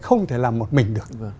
không thể làm một mình được